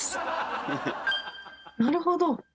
なるほど。